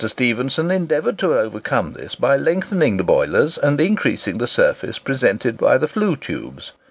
Stephenson endeavoured to overcome this by lengthening the boilers and increasing the surface presented by the flue tubes.